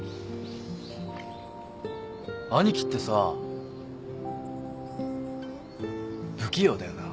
兄貴ってさ不器用だよな。